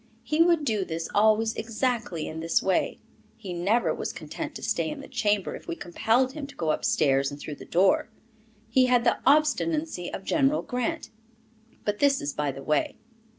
He would do this always exactly in this way; he never was content to stay in the chamber if we compelled him to go upstairs and through the door. He had the obstinacy of General Grant. But this is by the way.